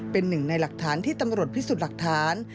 เป็นหนึ่งในหลักฐานที่ตำรวจพิสูจน์หลักฐาน